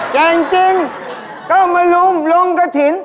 เก่งจริงก็มาลุมลงกระถิ่น